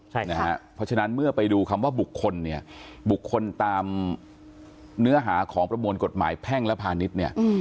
เพราะฉะนั้นเมื่อไปดูคำว่าบุคคลเนี่ยบุคคลตามเนื้อหาของประมวลกฎหมายแพ่งและพาณิชย์เนี่ย